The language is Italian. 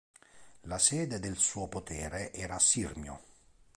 La sede del suo potere era Sirmio.